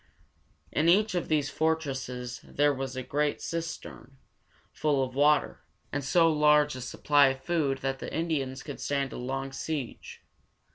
In each of these fortresses there was a great cistern, full of water, and so large a supply of food that the Indians could stand a long siege.